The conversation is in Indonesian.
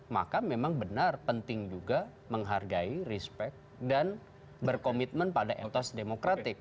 maka memang benar penting juga menghargai respect dan berkomitmen pada etos demokratik